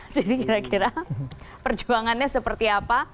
jadi kira kira perjuangannya seperti apa